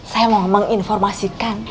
saya mau menginformasikan